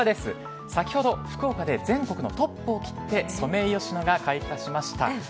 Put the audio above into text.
先ほど福岡で全国のトップを切ってソメイヨシノが開花しました。